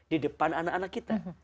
di depan anak anak kita